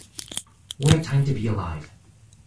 What a time to be alive.